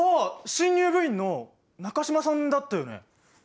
新入部員の中島さんだったよね？